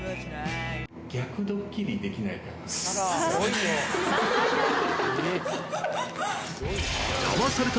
逆ドッキリできないかなと。